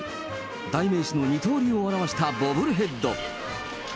代名詞の二刀流を表したボブルヘッド。